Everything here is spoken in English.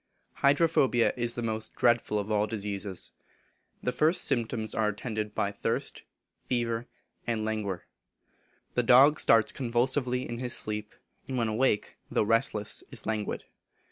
Hydrophobia is the most dreadful of all diseases. The first symptoms are attended by thirst, fever, and languor. The dog starts convulsively in his sleep, and when awake, though restless, is languid.